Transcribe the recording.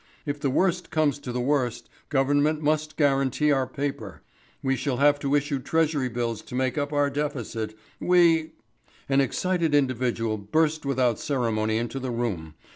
"If the worst comes to the worst, Government must guarantee our paper. We shall have to issue Treasury bills to make up our deficit. We " An excited individual burst without ceremony into the room.